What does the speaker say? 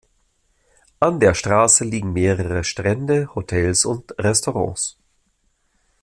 An der Straße liegen mehrere Strände, Hotels und Restaurants.